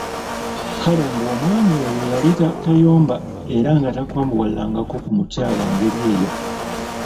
Kale mbu omwami oyo yali tayomba era nga takambuwalirangako ku mukyala ng'eri eyo!